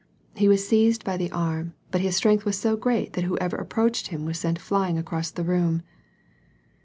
He was seized by the arm, but his strength was so great that whoever approached him was sent flying across the room.